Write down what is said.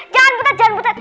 jangan bu teta